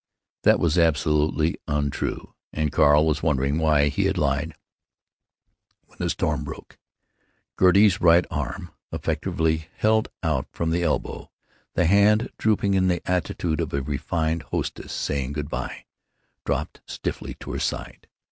That was absolutely untrue, and Carl was wondering why he had lied, when the storm broke. Gertie's right arm, affectedly held out from the elbow, the hand drooping, in the attitude of a refined hostess saying good by, dropped stiffly to her side.